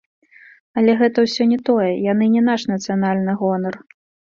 Але гэта ўсё не тое, яны не наш нацыянальны гонар.